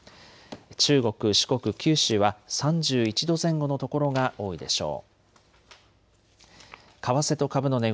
中国、四国、九州は３１度前後の所が多いでしょう。